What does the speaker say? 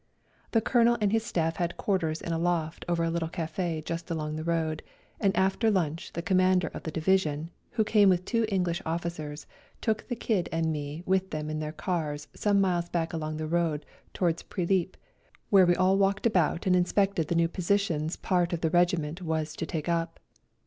The Colonel and his staff had quarters in a loft over a little cafe just along the road, and after lunch the Commander of the division, who came with two English officers, took the Kid and me with them in their cars some miles back along the road towards Prilip, where we all walked about and inspected the new positions part of the regiment 46 A RIDE TO KALABAC 47 was to take up.